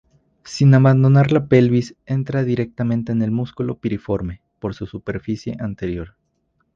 Sin abandonar la pelvis, entra directamente en el músculo piriforme, por su superficie anterior.